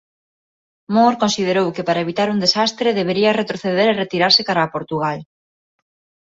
Moore considerou que para evitar un desastre debería retroceder e retirarse cara a Portugal.